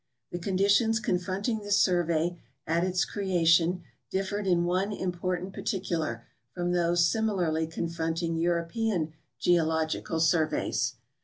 The conditions confronting this survey at its creation differed in one important particular from those similarly confronting European geological surveys.